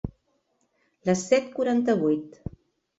Les set quaranta-vuit.